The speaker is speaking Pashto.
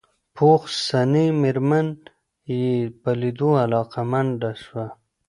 پوخ سنې مېرمن يې په ليدو علاقه منده شوه.